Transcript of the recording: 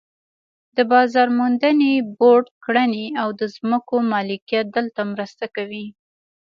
د بازار موندنې بورډ کړنې او د ځمکو مالکیت دلته مرسته کوي.